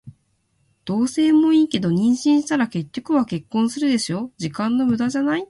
同棲もいいけど、妊娠したら結局は結婚するでしょ。時間の無駄じゃない？